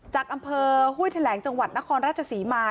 จากอำเภอห้วยแถลงจังหวัดนครราชศรีมา